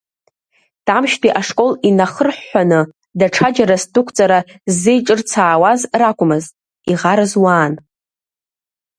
Тамшьтәи ашкол инахырҳәҳәаны, даҽаџьара сдәықәҵара ззеиҿырцаауаз ракәмызт, иӷарыз уаан.